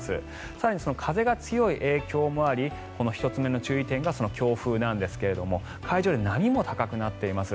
更に風が強い影響もあり１つ目の注意点が強風なんですが海上で波も高くなっています。